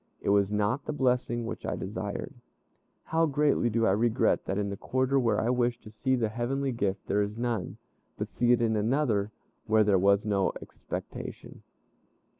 It was not the blessing which I desired. How greatly do I regret that in the quarter where I wished to see the heavenly gift, there is none, but see it in another, where there was no expectation.